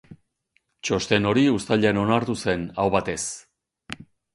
Txosten hori uztailean onartu zen, aho batez.